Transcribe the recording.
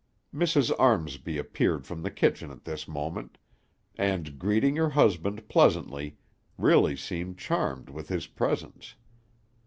Mrs. Armsby appeared from the kitchen at this moment, and, greeting her husband pleasantly, really seemed charmed with his presence.